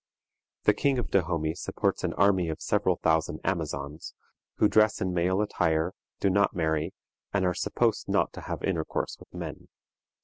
The King of Dahomey supports an army of several thousand amazons, who dress in male attire, do not marry, and are supposed not to have intercourse with men.